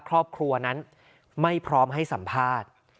ครอบครัวนั้นไม่พร้อมให้สัมภาษณ์